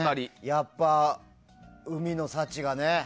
やっぱり海の幸がね。